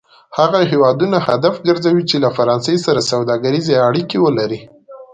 هغه هېوادونه هدف کرځوي چې له فرانسې سره سوداګریزې اړیکې ولري.